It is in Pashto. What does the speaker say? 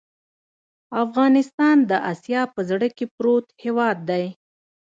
افغانستان د آسیا په زړه کې پروت هېواد دی.